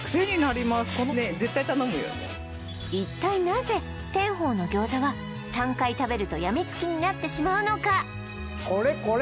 なぜテンホウの餃子は３回食べるとやみつきになってしまうのか？